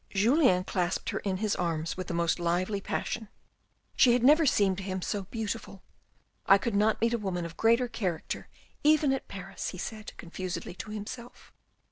Julien clasped her in his arms with the most lively passion. She had never seemed to him so beautiful. " I could not meet a woman of greater character even at Paris," he said confusedly to himself.